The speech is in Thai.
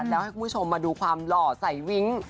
แล้วให้คุณผู้ชมมาดูความหล่อใส่วิ้ง